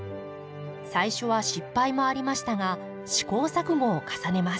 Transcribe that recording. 最初は失敗もありましたが試行錯誤を重ねます。